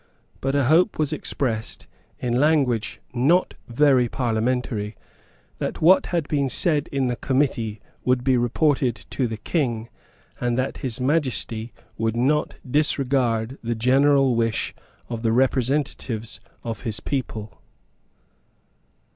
But a hope was expressed, in language not very parliamentary, that what had been said in the Committee would be reported to the King, and that His Majesty would not disregard the general wish of the representatives of his people.